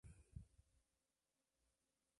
Está situada en las proximidades de la plaza mayor.